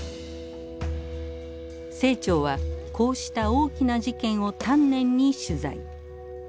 清張はこうした大きな事件を丹念に取材。